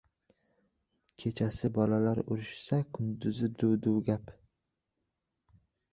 • Kechasi bolalar urushsa, kunduzi duv-duv gap.